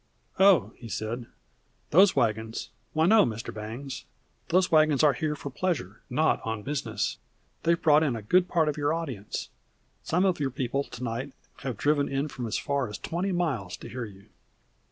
"Oh," he said, "those wagons why no, Mr. Bangs. Those wagons are here for pleasure, not on business. They have brought in a good part of your audience. Some of your people to night have driven in from as far as twenty miles to hear you."